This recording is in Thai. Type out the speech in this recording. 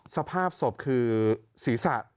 สภาพศพคือศีรษะ